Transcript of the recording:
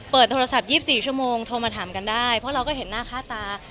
โทรศัพท์๒๔ชั่วโมงโทรมาถามกันได้เพราะเราก็เห็นหน้าค่าตา